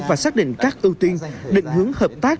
và xác định các ưu tiên định hướng hợp tác